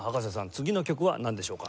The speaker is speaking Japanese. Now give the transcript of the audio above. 次の曲はなんでしょうか？